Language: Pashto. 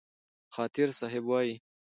خاطر صاحب وايي: